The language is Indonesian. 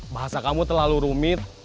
bahasa kamu terlalu rumit